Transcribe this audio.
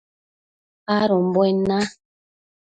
adombuen na